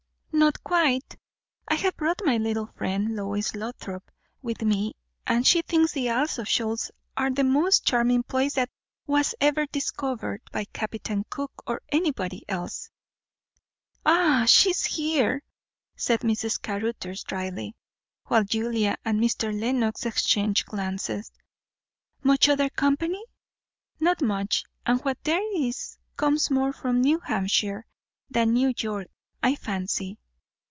"Not quite. I have brought my little friend, Lois Lothrop, with me; and she thinks the Isles of Shoals the most charming place that was ever discovered, by Captain Cook or anybody else." "Ah, she is here!" said Mrs. Caruthers dryly; while Julia and Mr. Lenox exchanged glances. "Much other company?" "Not much; and what there is comes more from New Hampshire than New York, I fancy."